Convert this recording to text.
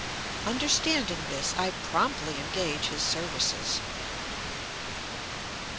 Understanding this, I promptly engage his services.